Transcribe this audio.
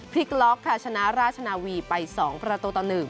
พลิกล็อกค่ะชนะราชนาวีไป๒ประตูต่อ๑